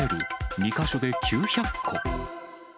２か所で９００個。